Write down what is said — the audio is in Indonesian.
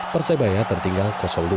persebaya tertinggal dua